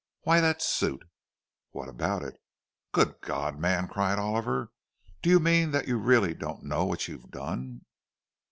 "Why, that suit!" "What about it?" "Good God, man!" cried Oliver. "Do you mean that you really don't know what you've done?"